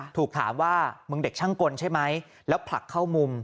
ถูกถามว่ามึงเด็กช่างกลใช่ไหมแล้วผลักเข้ามุม